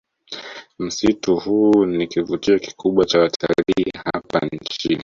Msitu huu ni kivutio kikubwa cha watalii hapa nchini